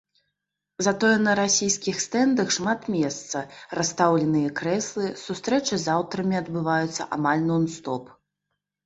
Затое на расійскіх стэндах шмат месца, расстаўленыя крэслы, сустрэчы з аўтарамі адбываюцца амаль нон-стоп.